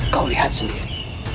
kau lihat sendiri